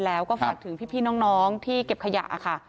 แล้วก็ฝากถึงพี่น้องที่เก็บขยะค่ะ